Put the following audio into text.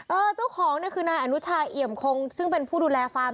เจ้าของเนี่ยคือนายอนุชาเอี่ยมคงซึ่งเป็นผู้ดูแลฟาร์ม